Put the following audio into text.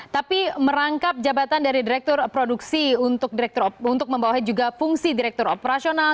tapi merangkap jabatan dari direktur produksi untuk membawahi juga fungsi direktur operasional